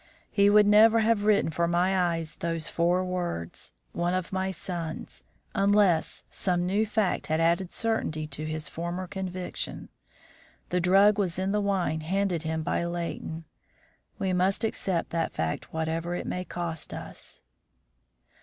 He would never have written for my eyes those four words 'one of my sons' unless some new fact had added certainty to his former conviction. The drug was in the wine handed him by Leighton; we must accept that fact whatever it may cost us."